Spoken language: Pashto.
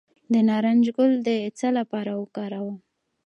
د نارنج ګل د څه لپاره وکاروم؟